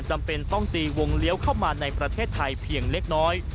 จำเป็นต้องตีวงเลี้ยวเข้ามาในประเทศไทยเพียงเล็กน้อย